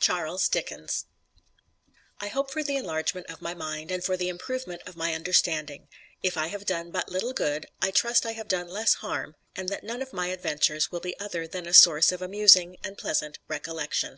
CHARLES DICKENS I hope for the enlargement of my mind, and for the improvement of my understanding. If I have done but little good, I trust I have done less harm, and that none of my adventures will be other than a source of amusing and pleasant recollection.